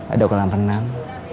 ada kolam renang